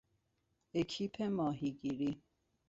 اکیپ ماهیگیری